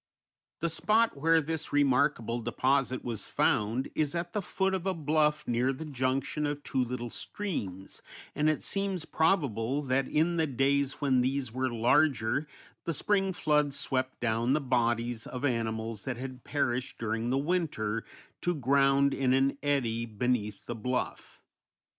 The spot where this remarkable deposit was found is at the foot of a bluff near the junction of two little streams, and it seems probable that in the days when these were larger the spring floods swept down the bodies of animals that had perished during the winter to ground in an eddy beneath the bluff.